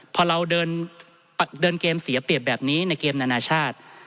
พอเราเดินเกมเสียเปรียบแบบนี้ในเกมนานาชาติ